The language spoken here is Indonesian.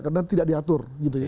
karena tidak diatur